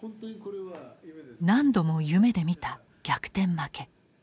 何度も夢で見た逆転負け。